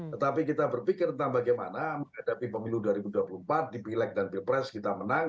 tetapi kita berpikir tentang bagaimana menghadapi pemilu dua ribu dua puluh empat di pileg dan pilpres kita menang